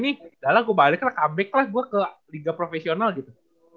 udah lah gue balik rekam back class gue ke liga profesional gitu